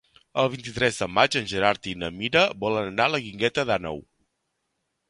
El vint-i-tres de maig en Gerard i na Mira volen anar a la Guingueta d'Àneu.